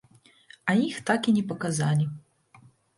А іх так і не паказалі.